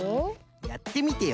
やってみてよ